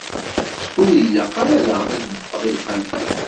Ur ilaq ara daɣen ad yeffeɣ i lqanun.